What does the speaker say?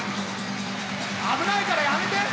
危ないからやめて！